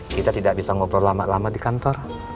kita tidak bisa ngobrol lama lama di kantor